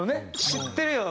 知ってるよ。